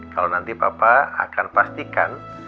kalau nanti bapak akan pastikan